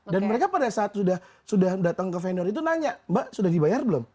dan mereka pada saat sudah datang ke vendor itu nanya mbak sudah dibayar belum